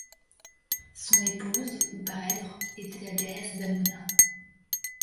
Son épouse ou parèdre était la déesse Damona.